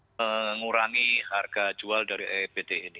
mengurangi harga jual dari ebt ini